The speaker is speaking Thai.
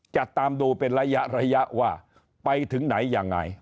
จะตามดูเป็นระยะระยะว่าไปถึงไหนยังไง